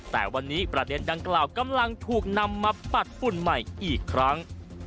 แต่วันนี้ประเด็นดังกล่าวกำลังถูกนำมาปัดฝุ่นใหม่อีกครั้ง